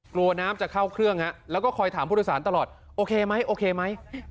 กลัวน้ำจะเข้าเครื่องแล้วก็คอยถามผู้โดยสารตลอดโอเคไหมโอเคไหม